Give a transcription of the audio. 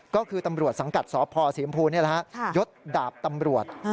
ก็คือตำรวจสังกัดสพสีอิมพูนี่แหละฮะยดดาบตำรวจ